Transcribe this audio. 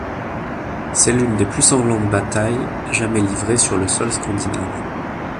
C'est l'une des plus sanglantes batailles jamais livrées sur le sol scandinave.